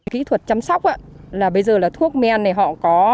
kỹ thuật chăm sóc bây giờ thuốc men này họ có